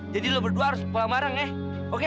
jadi lo berdua harus pulang bareng eh oke